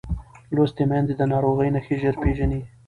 لوستې میندې د ناروغۍ نښې ژر پېژني.